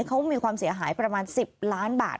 เขามีความเสียหายประมาณ๑๐ล้านบาท